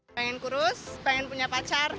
pengen kurus pengen punya pacar